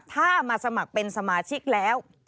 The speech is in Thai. ถ้ามาสมัครเป็นสมาชิกแล้ว